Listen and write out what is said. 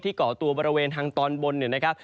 ที่จะก่อตัวบรเวณทางตอนบนนะครับ